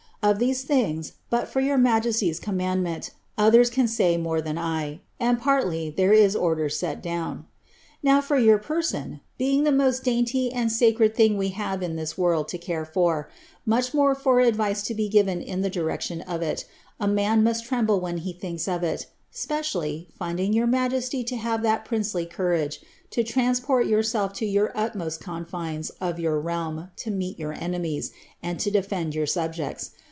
Of these things, but fbr your migesty's commandment, others can say more than I; and, partly, there is orders set down. Now, for your person, being the most dainty and sacred thing we have in this world to care for, much more for advice to be given in the direction of it, a man must tremble when he thinks of it, specially, finding your majesty to have that princely courage to transport yourself to your utmost confines of your realm to meet your enemies, and to defend 3rour subjects.